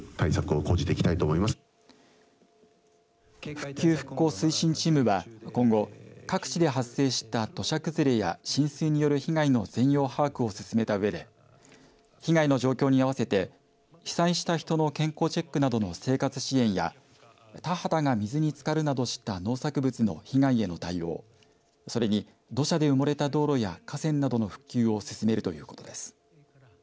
復旧・復興推進チームは今後各地で発生した土砂崩れや浸水による被害の全容把握を進めたうえで被害の状況に合わせて被災した人の健康チェックなどの生活支援や田畑が水につかるなどした農作物の被害への対応それに土砂で埋もれた道路や河川などの復旧を進めるということです。